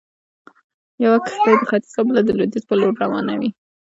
يوه کښتۍ د ختيځ او بله د لويديځ پر لور روانوي.